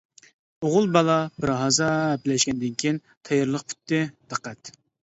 ئوغۇل بالا بىر ھازا ھەپىلەشكەندىن كېيىن: تەييارلىق پۈتتى دىققەت!